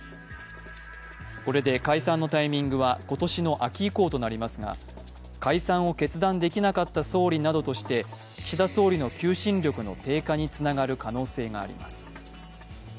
これで解散のタイミングは今年の秋以降となりますが解散を決断できなかった総理などとして、岸田総理の求心力の低下につながる可能性があります。